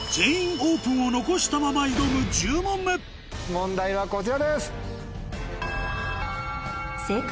問題はこちらです！